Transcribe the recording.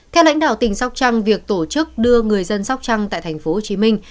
theo lãnh đạo tỉnh sóc trăng việc tổ chức đưa người dân sóc trăng tại thành phố hồ chí minh